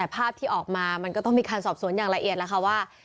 ภาพที่ออกมามันก็ต้องมีการสอบสวนอย่างละเอียดแล้วค่ะว่า